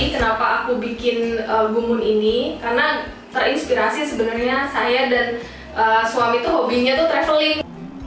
kenapa aku bikin gumun ini karena terinspirasi sebenarnya saya dan suami tuh hobinya tuh traveling